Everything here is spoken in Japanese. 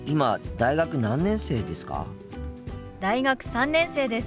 大学３年生です。